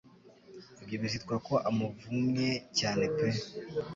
ibyo bizitwa ko amuvumye cyane pe